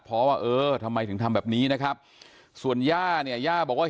เพราะว่าเออทำไมถึงทำแบบนี้นะครับส่วนย่าเนี่ยย่าบอกว่า